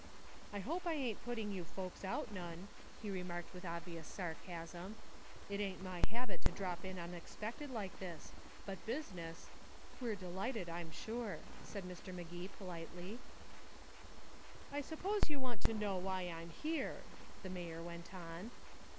"I hope I ain't putting you folks out none," he remarked with obvious sarcasm. "It ain't my habit to drop in unexpected like this. But business " "We're delighted, I'm sure," said Mr. Magee politely. "I suppose you want to know why I'm here," the mayor went on.